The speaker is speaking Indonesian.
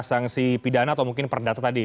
sanksi pidana atau mungkin perdata tadi